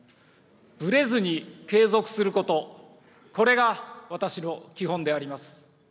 ぶれずに継続すること、これが私の基本であります。